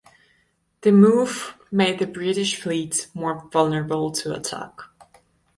The move made the British fleet more vulnerable to attack.